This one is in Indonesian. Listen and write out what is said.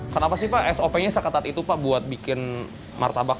kenapa sih pak sop nya seketat itu pak buat bikin martabak